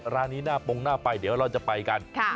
ร้านนี้หน้าปงหน้าไปเดี๋ยวเราจะไปกัน